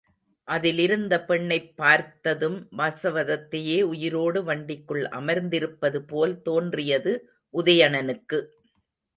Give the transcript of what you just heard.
அதிலிருந்த, பெண்ணைப் பார்த்ததும் வாசவதத்தையே உயிரோடு வண்டிக்குள் அமர்ந்திருப்பதுபோல் தோன்றியது உதயணனுக்கு.